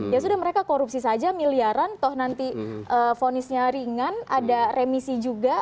ya sudah mereka korupsi saja miliaran toh nanti fonisnya ringan ada remisi juga